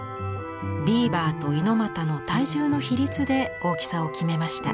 ビーバーとＩＮＯＭＡＴＡの体重の比率で大きさを決めました。